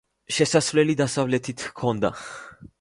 შესასვლელი დასავლეთით ჰქონია.